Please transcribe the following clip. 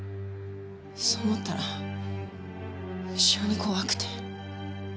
そう思ったら無性に怖くて。